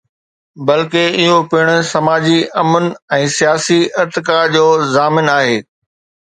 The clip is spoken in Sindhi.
بلڪه، اهو پڻ سماجي امن ۽ سياسي ارتقاء جو ضامن آهي.